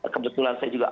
kebetulan saya juga